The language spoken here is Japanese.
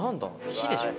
「ひ」でしょ。